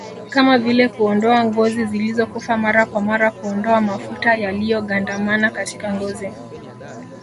kama vile kuondoa ngozi zilizokufa mara kwa mara Kuondoa mafuta yaliyogandamana katika ngozi